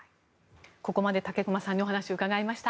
ここまで武隈さんにお話伺いました。